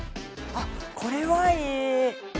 あっこれはいい